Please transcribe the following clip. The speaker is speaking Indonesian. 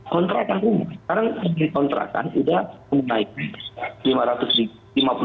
kontrakan rumah sekarang sendiri kontrakan sudah menaik rp lima ratus